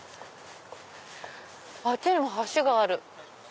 あっちにも橋がある。